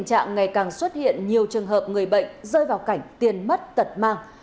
bằng xuất hiện nhiều trường hợp người bệnh rơi vào cảnh tiền mất tật mang